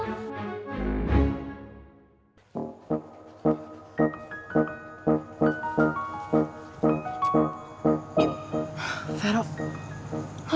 sekarang malah gue disuruh pulang